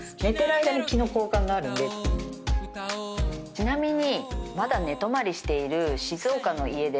ちなみに。